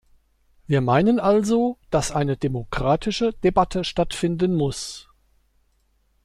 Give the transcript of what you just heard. Wir meinen also, dass eine demokratische Debatte stattfinden muss.